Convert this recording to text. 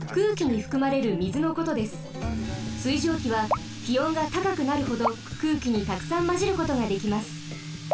水蒸気はきおんがたかくなるほどくうきにたくさんまじることができます。